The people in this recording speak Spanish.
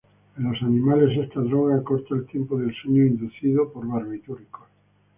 En los animales, esta droga acorta el tiempo del sueño inducido por barbitúricos.